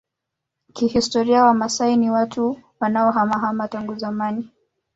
Kihistoria Wamaasai ni watu wanaohamahama tangu zamani